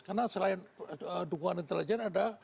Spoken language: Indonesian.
karena selain dukungan intelligence ada